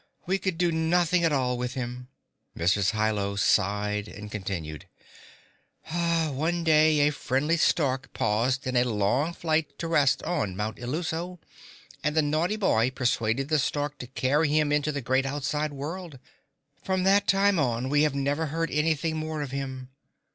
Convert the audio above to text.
We could do nothing at all with him." Mrs. Hi Lo sighed and continued, "One day a friendly stork paused in a long flight to rest on Mount Illuso, and the naughty boy persuaded the stork to carry him into the great outside world. From that time on we have never heard anything more of him.